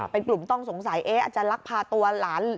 เป็นกลุ่มต้องสงสัยอาจจะลักพาตัวหลาน